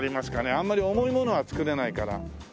あんまり重いものは造れないから。